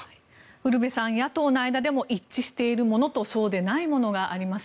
ウルヴェさん野党の間でも一致しているものとそうでないものがあります。